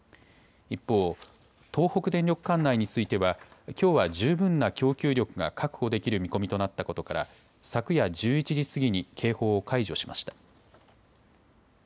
一方、東北電力管内についてはきょうは十分な供給力が確保できる見込みとなったことから昨夜１１時過ぎに警報を解除しました。